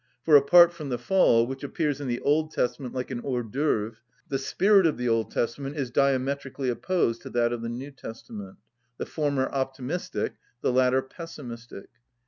For, apart from the fall, which appears in the Old Testament like a hors d'œuvre, the spirit of the Old Testament is diametrically opposed to that of the New Testament—the former optimistic, the latter pessimistic.